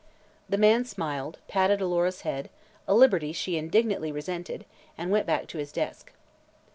The man smiled, patted Alora's head a liberty she indignantly resented and went back to his desk.